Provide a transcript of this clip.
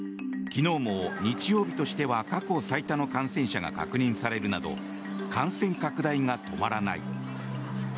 昨日も日曜日としては過去最多の感染者が確認されるなど感染拡大が止まらない。